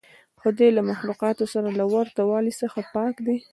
خدای له مخلوقاتو سره له ورته والي څخه پاک دی.